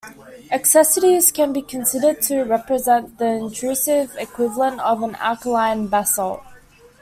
Essexites can be considered to represent the intrusive equivalent of an alkaline basalt.